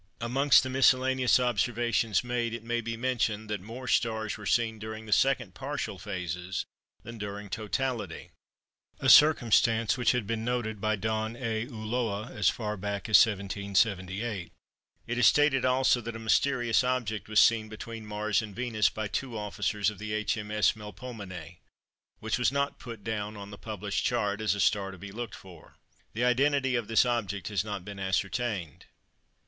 Amongst the miscellaneous observations made, it may be mentioned that more stars were seen during the second partial phases than during totality (a circumstance which had been noticed by Don A. Ulloa as far back as 1778). It is stated also that a mysterious object was seen between Mars and Venus by two officers of H.M.S. Melpomene, which was not put down on the published chart as a star to be looked for. The identity of this object has not been ascertained.